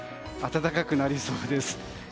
暖かくなりそうです。